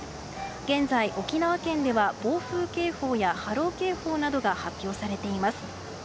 現在、沖縄県では暴風警報や波浪警報が発表されています。